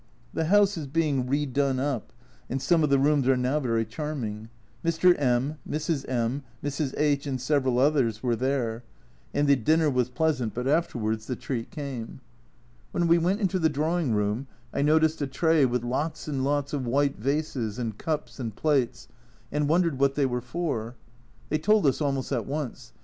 The house is being re done up, and some of the rooms are now very charming. Mr. M , Mrs. M , Mrs. H , and several others were there, and the dinner was pleasant, but afterwards the treat came. When we went into the drawing room I noticed a tray with lots and lots of white vases and cups and plates, and 262 A Journal from Japan wondered what they were for. They told us almost at once.